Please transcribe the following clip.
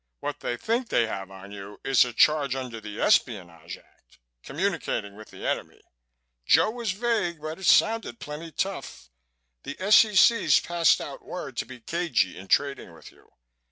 What they think they have on you is a charge under the Espionage Act, communicating with the enemy. Joe was vague but it sounded plenty tough. The S.E.C.'s passed out word to be cagey in trading with you.